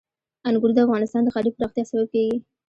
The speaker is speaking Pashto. انګور د افغانستان د ښاري پراختیا سبب کېږي.